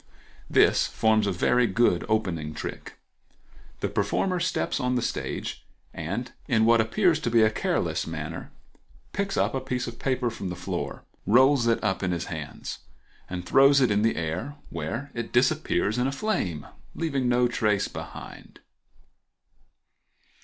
—This forms a very good opening trick. The performer steps on the stage and, in what appears to be a careless manner, picks up a piece of paper from the floor, rolls it up in his hands, and throws it in the air, where it disappears in a flame, leaving no trace behind.